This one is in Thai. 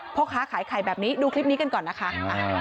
พ่อค้าขายไข่แบบนี้ดูคลิปนี้กันก่อนนะคะ